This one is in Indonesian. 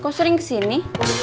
kok sering kesini